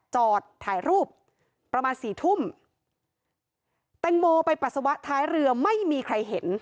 จอดถ่ายรูปประมาณสี่ทุ่มแตงโมไปปัสสาวะท้ายเรือไม่มีใครเห็น